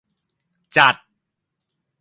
จัด